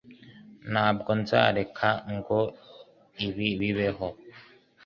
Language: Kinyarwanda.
Ntabwo nzareka ngo ibi bibeho